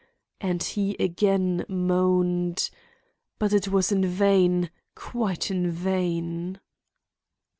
And he again moaned: "But it was in vain; quite in vain."